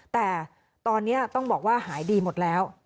แต่ตอนนี้ต้องบอกว่าหายดีหมดแล้ว